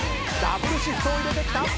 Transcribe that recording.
ダブルシフトを入れてきた。